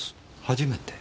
初めて？